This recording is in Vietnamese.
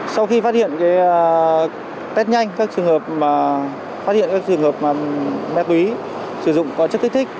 sau khi phát hiện test nhanh phát hiện các trường hợp ma túy sử dụng có chất thích thích